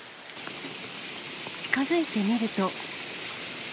近づいてみると。